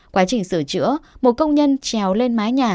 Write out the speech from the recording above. quá trình sửa chữa một công nhân trèo lên mái nhà